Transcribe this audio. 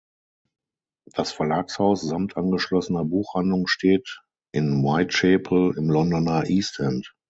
Das Verlagshaus samt angeschlossener Buchhandlung steht in Whitechapel im Londoner East End.